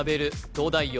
「東大王」